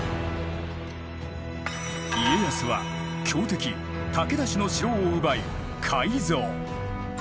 家康は強敵武田氏の城を奪い改造。